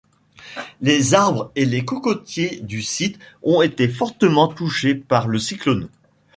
Les arbres et les cocotiers du site ont été fortement touchés par le cyclone.